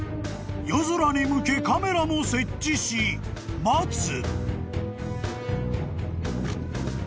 ［夜空に向けカメラも設置し待つ］